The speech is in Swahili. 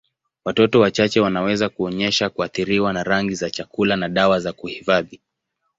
Watoto wachache wanaweza kuonyesha kuathiriwa na rangi za chakula na dawa za kuhifadhi.